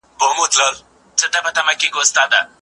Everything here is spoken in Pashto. د ځانګړو استعدادونو د ازموینې لپاره جلا تګلاره سته؟